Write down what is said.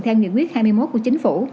theo nhiệm quyết hai mươi một của chính phủ